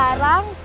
tarik tarik tarik